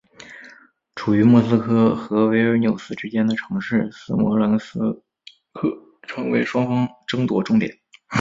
处于莫斯科和维尔纽斯之间的城市斯摩棱斯克成为双方争夺重点。